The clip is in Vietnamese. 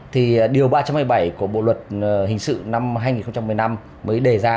thì điều ba trăm hai mươi bảy của bộ luật hình sự năm hai nghìn một mươi năm mới đề ra